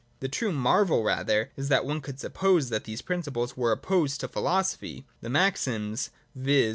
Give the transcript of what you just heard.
The true marvel rather is that any one could suppose that these principles were opposed to philosophy, — the maxims, viz.